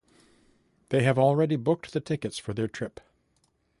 They have already booked the tickets for their trip.